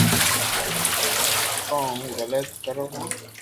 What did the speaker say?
ڪو ھون علط ڪرو ھون